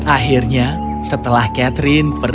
akhirnya setelah selesai catherine menemukan tempat baru